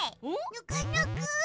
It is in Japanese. ぬくぬく！